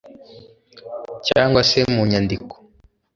cyangwa se mu nyandiko